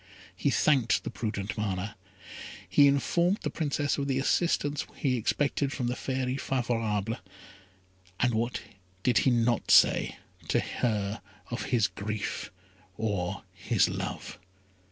He thanked the prudent Mana; he informed the Princess of the assistance he expected from the Fairy Favourable; and what did he not say to her of his grief or his love!